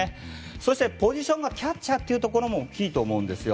そして、ポジションがキャッチャーというところも大きいと思うんですよ。